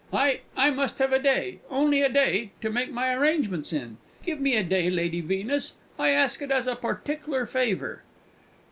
I I must have a day only a day to make my arrangements in. Give me a day, Lady Venus; I ask it as a partickler favour!"